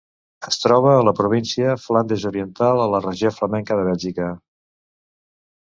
Es troba a la província Flandes Oriental a la regió Flamenca de Bèlgica.